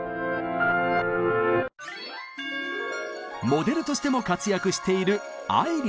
モデルとしても活躍している愛理さん。